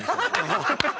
ハハハハ！